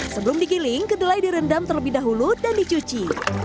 sebelum digiling kedelai direndam terlebih dahulu dan dicuci